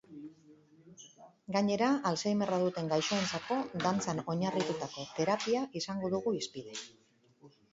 Gainera, alzheimerra duten gaixoentzako dantzan oinarritutako terapia izango dugu hizpide.